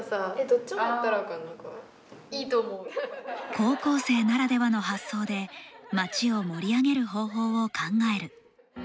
高校生ならではの発想で町を盛り上げる方法を考える。